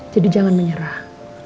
jadi jangan menyerah